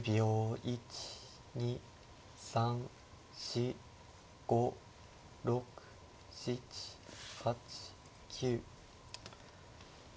１２３４５６７８９。